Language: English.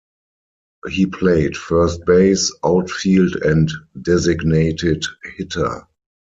He played first base, outfield and designated hitter.